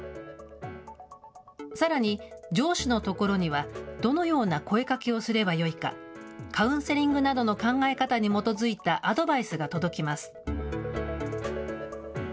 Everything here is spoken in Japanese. さらに上司の所には、どのような声かけをすればよいか、カウンセリングなどの考え方に基づいたアドバイスが届きます。